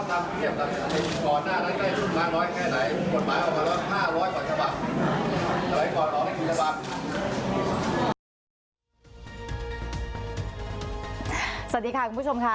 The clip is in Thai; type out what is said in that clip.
สวัสดีค่ะคุณผู้ชมค่ะ